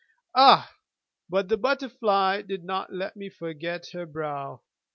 Ah, but the butterfly did not let me forget her brow!